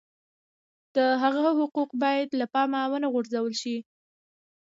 د هغه حقوق باید له پامه ونه غورځول شي.